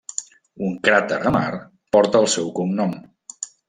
Un cràter a Mart porta el seu cognom.